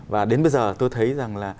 và đến bây giờ tôi thấy rằng là